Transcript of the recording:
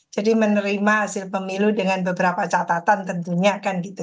jadi menerima hasil pemilu dengan beberapa catatan tentunya kan gitu